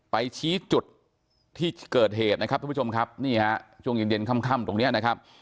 ไปชี้จุดที่เกิดเหตุนะครับทุกผู้ชมครับนี่ฮะช่วงเย็นเย็นค่ำตรงเนี้ยนะครับ